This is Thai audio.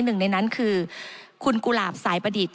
หนึ่งในนั้นคือคุณกุหลาบสายประดิษฐ